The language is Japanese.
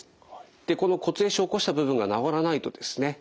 でこの骨壊死を起こした部分が治らないとですね